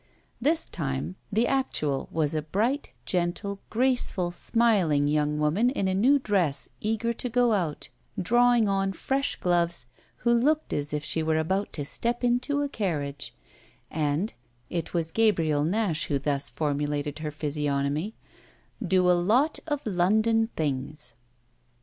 This time the actual was a bright, gentle, graceful, smiling, young woman in a new dress, eager to go out, drawing on fresh gloves, who looked as if she were about to step into a carriage and it was Gabriel Nash who thus formulated her physiognomy do a lot of London things.